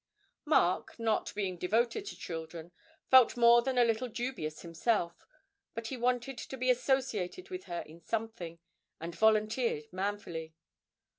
Mark, not being devoted to children, felt more than a little dubious himself; but he wanted to be associated with her in something, and volunteered manfully.